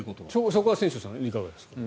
そこは千正さんいかがですか。